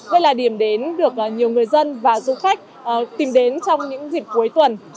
đây là điểm đến được nhiều người dân và du khách tìm đến trong những dịp cuối tuần